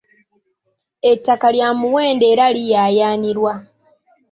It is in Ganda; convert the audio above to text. Ettaka lya muwendo era liyaayaanirwa.